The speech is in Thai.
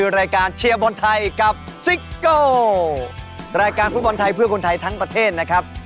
รายการฟุ้ตบอลไทยเพื่อกลุ่นไทยทั้งประเทศนะครับ